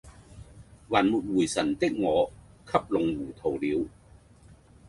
還沒回神的我給弄糊塗了